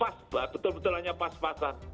waspa betul betul hanya pas pasan